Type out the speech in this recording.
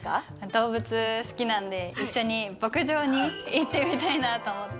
動物好きなんで、一緒に牧場に行ってみたいなと思って。